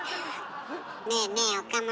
ねえねえ岡村。